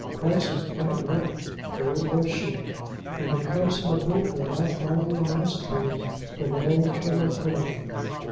Price was quite right, for it was she, and the cubs in the holt were now finally emancipated from all maternal thraldom.